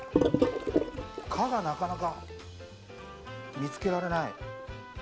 「か」がなかなか見つけられない。